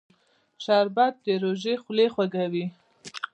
شربت د روژې خولې خوږوي